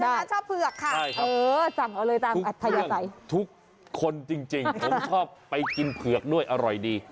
จังนะชอบเผือกค่ะทุกคนจริงผมชอบไปกินเผือกด้วยอร่อยดี